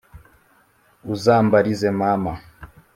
“Uzambarize Mama”